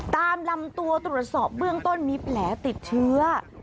ตามลำตัวตรวจสอบเบื้องต้นมีแผลติดเชื้อ